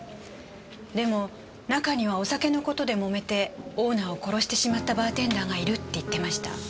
でも中にはお酒の事で揉めてオーナーを殺してしまったバーテンダーがいるって言ってました。